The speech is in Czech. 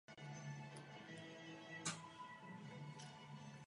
Normální velikost jednoho vrhu jsou tři až čtyři koťata.